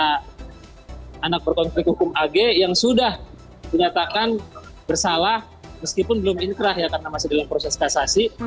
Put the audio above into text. yang kedua ada yang pertama adalah anak berkonflik hukum ag yang sudah dinyatakan bersalah meskipun belum intrah ya karena masih dalam proses kasasi